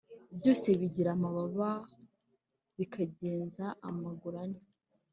Byose bigira amababa bikagenza amaguru ane